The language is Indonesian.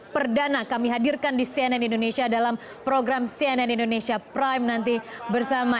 perdana kami hadirkan di cnn indonesia dalam program cnn indonesia prime nanti bersama